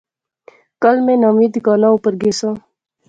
کل میں نویں دکاناں اوپر گیساں